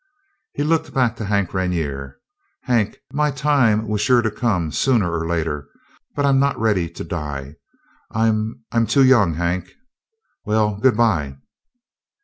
He looked back to Hank Rainer. "Hank, my time was sure to come sooner or later, but I'm not ready to die. I'm I'm too young, Hank. Well, good by!"